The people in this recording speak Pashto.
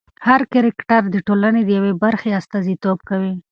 هر کرکټر د ټولنې د یوې برخې استازیتوب کوي.